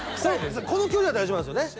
この距離は大丈夫なんですよね？